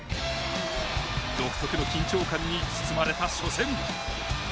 独特の緊張感に包まれた初戦。